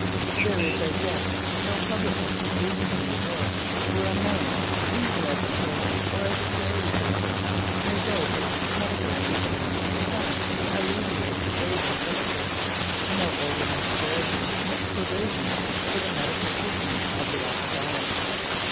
There is as yet no public institution in New York City where a man, either as a paying or as a charity patient, may go for medical treatment designed to alleviate the craving for liquor; no organized charity makes provision for the medical treatment of the alcoholic.